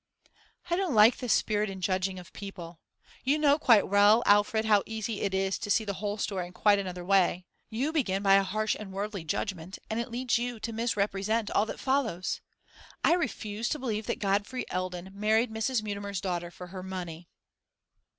'I don't like this spirit in judging of people. You know quite well, Alfred, how easy it is to see the whole story in quite another way. You begin by a harsh and worldly judgment, and it leads you to misrepresent all that follows. I refuse to believe that Godfrey Eldon married Mrs. Mutimer's daughter for her money.